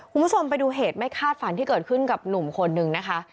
คุณผู้ชมไปดูเหตุไม่คาดฝันที่เกิดขึ้นกับหนุ่มคนนึงนะคะ